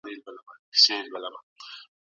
د سیلابونو مخنیوی څنګه کېږي؟